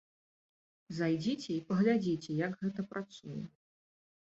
Зайдзіце і паглядзіце, як гэта працуе.